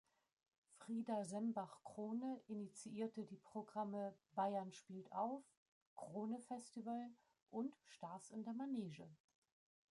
Frieda Sembach-Krone initiierte die Programme „Bayern spielt auf“, „Krone-Festival“ und „Stars in der Manege“.